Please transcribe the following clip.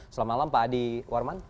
selamat malam pak adi warman